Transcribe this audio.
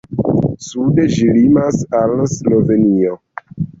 Sude ĝi limas al Slovenio.